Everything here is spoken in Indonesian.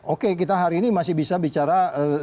oke kita hari ini masih bisa bicara lima puluh lima puluh